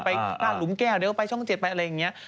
ไปรุ้มแก้วเดี๋ยวไปช่องเจ็ดไปอะไรอย่างเงี้ย